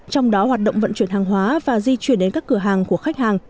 trong đó hoạt động vận chuyển hàng hóa và di chuyển đến các cửa hàng của khách hàng